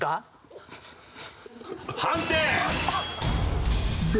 判定！